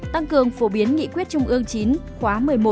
tăng cường phổ biến nghị quyết trung ương chín khóa một mươi một